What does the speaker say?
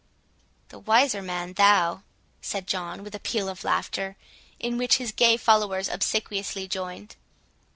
"The wiser man thou," said John, with a peal of laughter, in which his gay followers obsequiously joined.